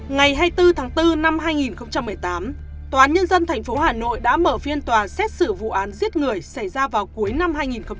ngày hai mươi bốn tháng bốn năm hai nghìn một mươi tám tòa án nhân dân tp hà nội đã mở phiên tòa xét xử vụ án giết người xảy ra vào cuối năm hai nghìn một mươi tám